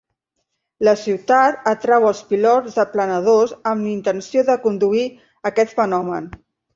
La ciutat atrau els pilots de planadors amb intenció de conduir aquest fenomen.